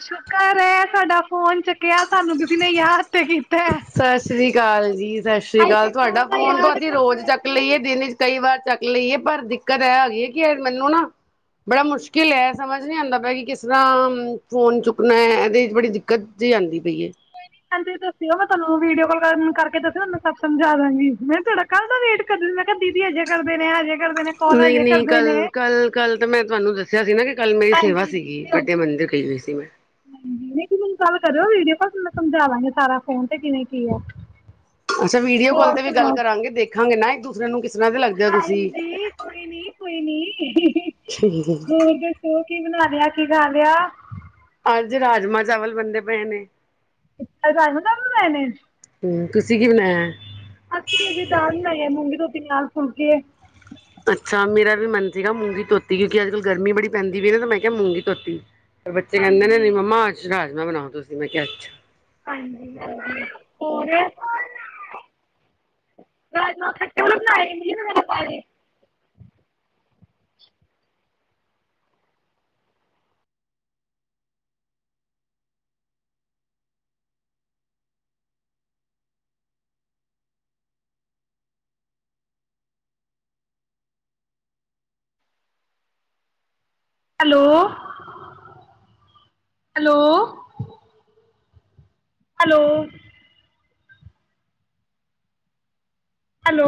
ਸ਼ੁਕਰ ਹੈ ਤੁਹਾਡਾ ਫੋਨ ਚੱਕ ਸਾਸਰੀ ਕਾਲ ਜੀ ਸਾਸਰੀ ਅਸੀਂ ਤੇ ਕਾਲ ਕਦੋਂ ਤੁਹਾਡਾ ਦਾ ਫੋਨ ਤੋਂ ਯਾਦ ਅਸੀਂ ਕਰਦੇ ਰੋਜ਼ ਪਏ ਚੱਕ ਲਈਏ ਸੀ। ਦਿਨ ਕਈ ਵਾਰ ਚੱਕ ਲਈਏ ਪਰ ਦਿੱਕਤ ਇਹ ਹੈਗੀ ਐ ਕਿ ਮੈਨੂੰ ਨਾ ਬੜਾ ਮੁਸ਼ਕਿਲ ਹੈ ਸਮਝ ਨੀ ਆਉਂਦਾ ਪਿਆ ਕਿ ਕਿਸ ਤਰ੍ਹਾਂ ਫੋਨ ਚੁੱਕਣਾ ਇਹਦੇ ਚ ਬੜੀ ਦਿੱਕਤ ਜੀ ਆਦੀ ਪਈ ਐ, ਹਾਂਜੀ ਦੱਸਿਓ ਮੈਂ ਤੁਹਾਨੂੰ ਵੀਡੀਓ ਕਾਲ ਕਰਕੇ ਦੱਸਿਓ ਮੈਨੂੰ ਸਭ ਸਮਝਾ ਦਾਂਗੀ ਮੈਂ ਤੁਹਾਡਾ ਕੱਲ੍ਹ ਦਾ ਵੇਟ ਕਰ ਮੈਂ ਕਿਹਾ ਦੀਦੀ ਹਜੇ ਕਰਦੇ ਨੇ ਹਜੇ ਕਰਦੇ ਨੇ ਕਾਲ ਨਹੀਂ ਹਜੇ ਨਹੀਂ ਕਰਦੇ ਕੱਲ ਨੇ ਕੱਲ ਕੱਲ ਤਾਂ ਮੈਂ ਤੁਹਾਨੂੰ ਦੱ ਸਿਆ ਸੀਗਾ ਕਿ, ਕੱਲ ਮੇਰੀ ਸੇਵਾ ਹਾਂਜੀ ਬਿਜ਼ੀ ਸੀਗੀ ਹੋ ਗਏ ਵੱਡੇ ਸੀ ਮੰਦਿਰ ਤੁਸੀਂ। ਗਈ ਹੋਈ ਸੀ ਮੈਂ, ਹਾਂਜੀ ਨਹੀਂ ਤੁਸੀਂ ਮੈਨੂੰ ਗੱਲ ਕਰਿਓ ਵੀਡੀਓ ਕਾਲ ਮੈਂ ਸਮਝਾਦਾਗੀ ਸਾਰਾ ਫੋਨ ਤੇ ਕਿਵੇਂ ਕੀ ਐ। ਅੱਛਾ, ਵੀਡੀਓ ਕਾਲ ਤੇ ਵੀ ਗੱਲ ਕਰਾਂਗੇ, ਦੇਖਾਂਗੇ ਨਾ ਇੱਕ ਦੂ। [unintelligible] ਨੂੰ ਤਰ੍ਹਾਂ ਦੇ ਲੱਗਦੇ ਹੋ ਤੁਸੀਂ ਹਾਂਜੀ ਕੋਈ ਨੀ, ਕੋਈ ਨੀ ਹੋਰ ਦੱਸੋ। ਕੀ ਬਣਾ ਲਿਆ? ਕੀ ਬਣ ਰਿਹਾ। ਅੱਜ ਰਾਜਮਾਂ, ਚਾਵਲ ਬਣਦੇ ਪਏ ਨੇ। ਰਨ ਨੇ [inaudible] ਹਾਂ ਖੁਸ਼ੀ ਭੀ ਹੋ ਰਹੇ ਹੈ। ਅਸੀਂ ਵੀ ਦਾਲ ਬਣਾਈ ਏ, ਮੂੰਗੀ ਤੇ ਤਿੰਨ ਨਾਲ ਫੁਲਕੇ। ਅੱਛਾ, ਮੇਰਾ ਵੀ ਮਨ ਸੀਗਾ ਮੂੰਗੀ ਧੋਤੀ, ਕਿਉਂਕਿ ਅੱਜ ਕੱਲ ਗਰਮੀ ਬੜੀ ਪੈਂਦੀ ਵੀਈ ਨਾ ਤੇ ਮੈਂ ਕਿਹਾ ਮੂੰਗੀ ਧੋਤੀ ਬੱਚੇ ਕਹਿੰਦੇ ਨੇ, ਹਾਂਜੀ ਮੰਮਾ ਆਸ਼ ਰ ਮੰਮਾ ਬਣਾਓ ਤੁਸੀਂ, ਮੈਂ ਕਿਹਾ, ਅੱਛਾ। ਹਾਂਜੀ ਹੋਰ [unintelligible] ਹੈਲੋ ਹੈਲੋ। ਹੈਲੋ। ਹੈਲੋ।